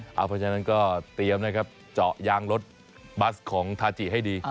เพราะฉะนั้นก็เตรียมนะครับเจาะยางรถบัสของทาจิให้ดี